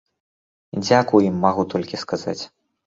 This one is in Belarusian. Дзякуй ім магу толькі сказаць.